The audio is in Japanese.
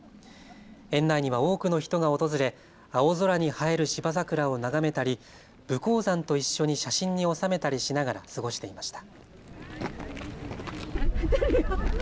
園内には多くの人が訪れ青空に映えるシバザクラを眺めたり武甲山と一緒に写真に収めたりしながら過ごしていました。